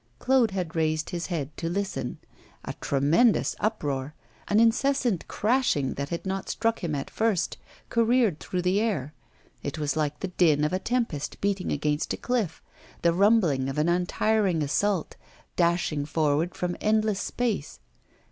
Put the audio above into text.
Claude had raised his head to listen. A tremendous uproar, an incessant crashing that had not struck him at first, careered through the air; it was like the din of a tempest beating against a cliff, the rumbling of an untiring assault, dashing forward from endless space.